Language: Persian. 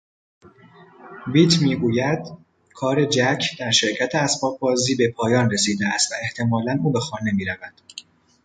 بیت میگوید کار جک در شرکت "اسباب بازی" به پایان رسیده است و احتمالا او به خانه میرود.